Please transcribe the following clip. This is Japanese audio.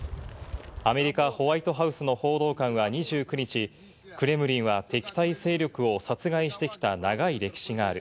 アメリカ・ホワイトハウスの報道官は２９日、クレムリンは敵対勢力を殺害してきた長い歴史がある。